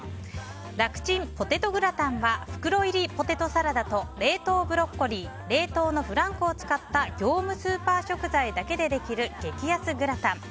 ラクちんポテトグラタンは袋入りポテトサラダと冷凍ブロッコリー冷凍のフランクを使った業務スーパー食材だけでできる激安グラタン。